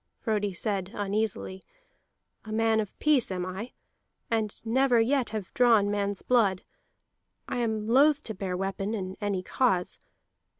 Frodi said uneasily: "A man of peace am I, and never yet have drawn man's blood. I am loth to bare weapon in any cause.